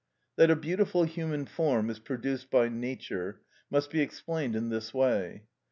That a beautiful human form is produced by nature must be explained in this way.